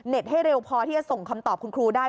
ให้เร็วพอที่จะส่งคำตอบคุณครูได้